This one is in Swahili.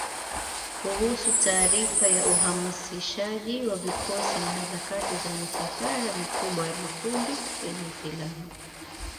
kuhusu taarifa ya uhamasishaji wa vikosi na harakati za misafara mikubwa ya makundi yenye silaha